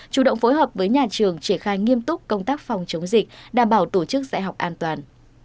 chủ động phối hợp với nhà trường triển khai nghiêm túc công tác phòng chống dịch đảm bảo tổ chức dạy học an toàn